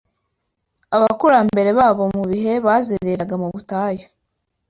abakurambere babo mu bihe bazereraga mu butayu